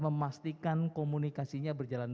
memastikan komunikasinya berjalan